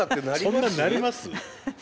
そんななります？